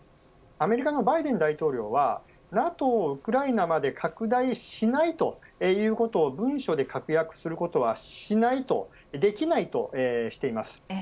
アメリカのバイデン大統領はＮＡＴＯをウクライナまで拡大しないということを文書で確約することはしないとできないとしています。